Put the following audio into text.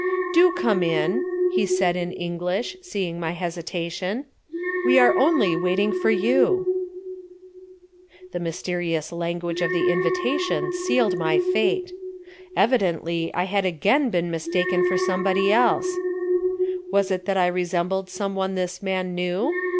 "Do come in," he said in English, seeing my hesitation. "We are only waiting for you." [Illustration: I accepted the strange invitation.] The mysterious language of the invitation sealed my fate. Evidently I had again been mistaken for somebody else. Was it that I resembled someone this man knew?